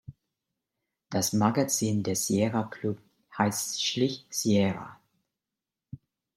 Das Magazin des Sierra Club heißt schlicht "Sierra".